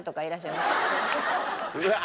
うわ！